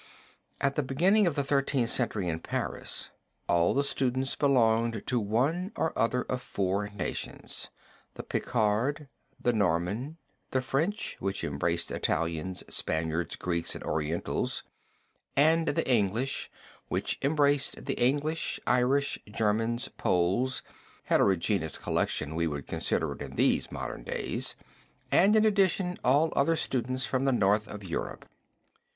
At the beginning of the Thirteenth Century in Paris all the students belonged to one or other of four nations, the Picard, the Norman, the French, which embraced Italians, Spaniards, Greeks and Orientals, and the English which embraced the English, Irish, Germans, Poles (heterogeneous collection we would consider it in these modern days) and in addition all other students from the North of Europe.